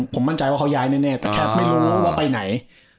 ผมมั่นใจว่าเขาย้ายแน่แต่แค่ไม่รู้ว่าไปไหน